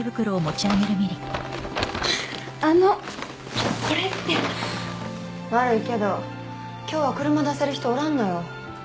あのこれって悪いけど今日は車出せる人おらんのよ